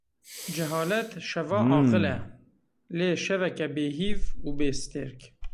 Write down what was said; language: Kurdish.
Cehalet şeva aqil e lê şeveke bêhîv û bêstêrk.